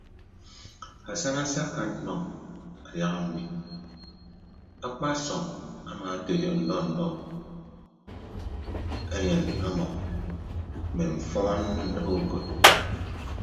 Asana asakka ennọ adiaha mmi e akpasọm amaatoiyo ndọ ndọ eyịn ọmọ mme mfọọn ndibe ukod.